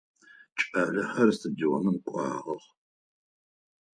Кӏалэхэр стадионым кӏуагъэх.